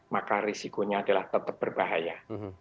maka risikonya adalah tetap berbahaya